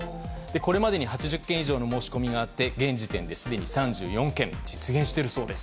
これまでに８０件以上の申し込みがあって現時点ですでに３４件が実現しているそうです。